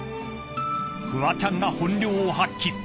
［フワちゃんが本領を発揮］